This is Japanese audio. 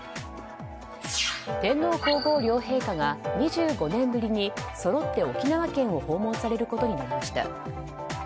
天皇・皇后両陛下が２５年ぶりにそろって、沖縄県を訪問されることになりました。